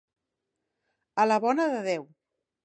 A la bona de Déu.